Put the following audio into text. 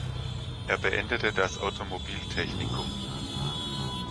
Er beendete das Automobil-Technikum.